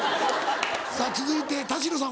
さぁ続いて田代さん